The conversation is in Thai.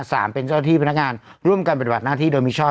สามเป็นเจ้าที่พนักงานร่วมกันปฏิบัติหน้าที่โดยมิชอบ